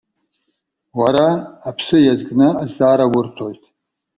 Уара аԥсы иазкны азҵаара урҭоит.